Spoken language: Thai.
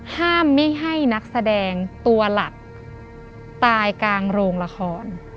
ห้ามไม่ให้นักแสดงตัวหลักตายกลางโรงละคร